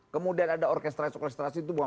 kemudian ada orkestrasi orkestrasi itu bahwa